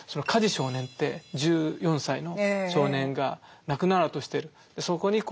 少年って１４歳の少年が亡くなろうとしてる。